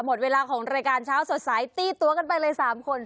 หมดเวลาของรายการเช้าสดใสตีตัวกันไปเลย๓คน